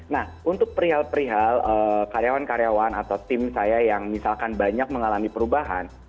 nah untuk perihal perihal karyawan karyawan atau tim saya yang misalkan banyak mengalami perubahan